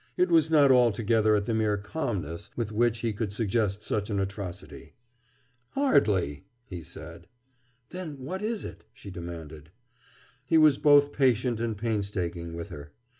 It was not altogether at the mere calmness with which she could suggest such an atrocity. "Hardly," he said. "Then what is it?" she demanded. He was both patient and painstaking with her.